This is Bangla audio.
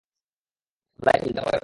লাইট আর আগুন, জ্বালাও, একসন।